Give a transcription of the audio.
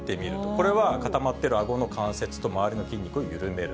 これは固まってるあごの関節と周りの筋肉を緩める。